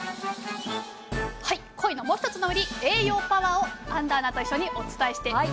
コイのもう一つの売り栄養パワーを安藤アナと一緒にお伝えしてまいります。